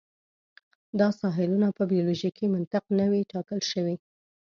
دا ساحلونه په بیولوژیکي منطق نه وې ټاکل شوي.